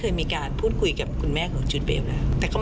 อยู่โปรดตัวนะครับ